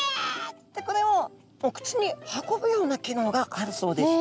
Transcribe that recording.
ってこれをお口に運ぶような機能があるそうです。